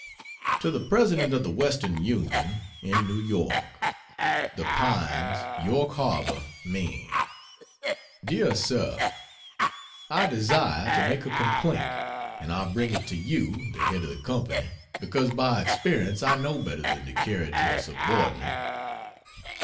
To the President of The Western Union, in New York: "THE PINES" YORK HARBOR, MAINE. DEAR SIR, I desire to make a complaint, and I bring it to you, the head of the company, because by experience I know better than to carry it to a subordinate.